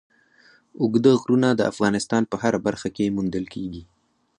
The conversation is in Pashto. اوږده غرونه د افغانستان په هره برخه کې موندل کېږي.